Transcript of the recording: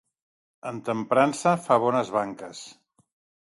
En Temprança fa bones banques.